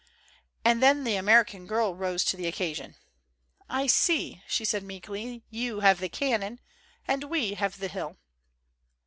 " And then the American Girl rose to the occasion. "I see," she said meekly, "you have the cannon, and we have the hill."